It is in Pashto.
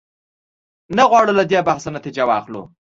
نه غواړو له دې بحثه نتیجه واخلو.